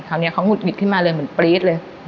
คราวนี้เขาหุดหงิดขึ้นมาเลยเหมือนปรี๊ดเลย